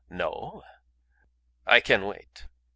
No? I can wait."